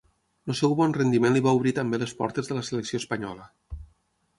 El seu bon rendiment li va obrir també les portes de la selecció espanyola.